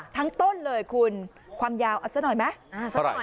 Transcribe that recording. ด้านเหล่เลยคุณความยาวแส่หน่อยไหม